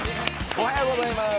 おはようございます。